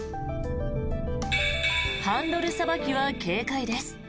ハンドルさばきは軽快です。